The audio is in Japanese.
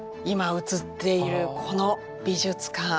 今映っているこの美術館。